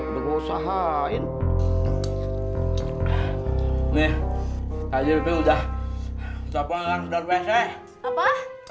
berusaha ini aja udah udah tolong langsung apa apa